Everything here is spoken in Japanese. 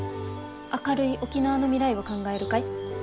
「明るい沖縄の未来を考える会」。